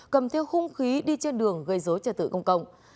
cầm theo hung khí đi trên đường gây dối trẻ tử công cộng